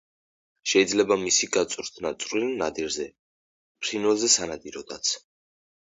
შეიძლება მისი გაწვრთნა წვრილ ნადირზე, ფრინველზე სანადიროდაც.